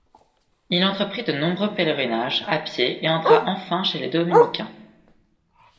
Il entreprit de nombreux pèlerinages à pied et entra enfin chez les dominicains.